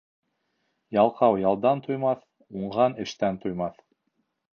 Ялҡау ялдан туймаҫ, уңған эштән туймаҫ.